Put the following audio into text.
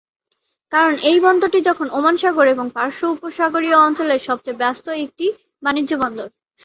কারণ এই বন্দরটি এখন ওমান সাগর এবং পারস্য উপসাগরীয় অঞ্চলের সবচে ব্যস্ত একটি বাণিজ্য বন্দর।